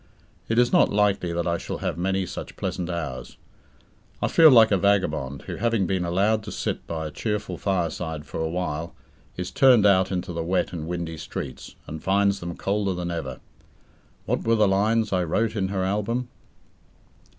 It is not likely that I shall have many such pleasant hours. I feel like a vagabond who, having been allowed to sit by a cheerful fireside for a while, is turned out into the wet and windy streets, and finds them colder than ever. What were the lines I wrote in her album?